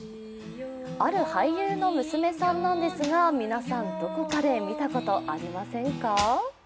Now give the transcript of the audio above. ある俳優の娘さんなんですが皆さん、どこかで見たことありませんか？